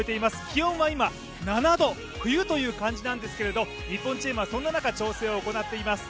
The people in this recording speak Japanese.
気温は今、７度、冬という感じなんですけれども、日本チームはそんな中、調整を行っています。